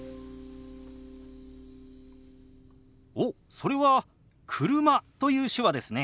おっそれは「車」という手話ですね。